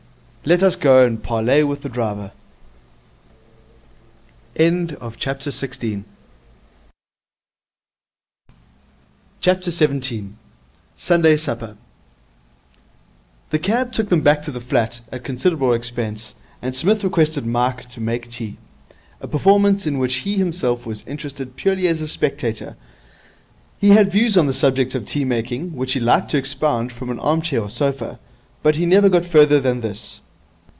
Let us go and parley with the driver.' 17. Sunday Supper The cab took them back to the flat, at considerable expense, and Psmith requested Mike to make tea, a performance in which he himself was interested purely as a spectator. He had views on the subject of tea making which he liked to expound from an armchair or sofa, but he never got further than this.